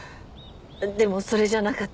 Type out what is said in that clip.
でもそれじゃなかった。